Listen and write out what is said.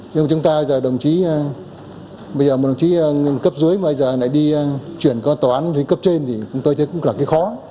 nhưng mà chúng ta bây giờ đồng chí bây giờ một đồng chí cấp dưới bây giờ lại đi chuyển qua tòa án dưới cấp trên thì chúng tôi thấy cũng là cái khó